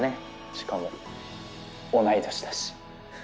しかも同い年だし。